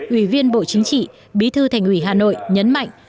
ủy viên bộ chính trị bí thư thành ủy hà nội nhấn mạnh